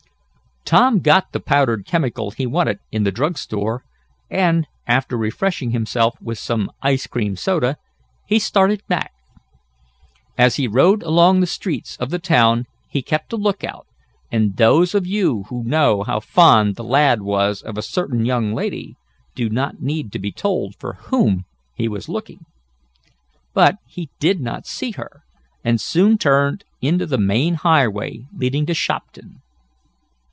Tom got the powdered chemical he wanted in the drug store, and, after refreshing himself with some ice cream soda, he started back. As he rode along through the streets of the town he kept a lookout, and those of you who know how fond the lad was of a certain young lady, do not need to be told for whom he was looking. But he did not see her, and soon turned into the main highway leading to Shopton.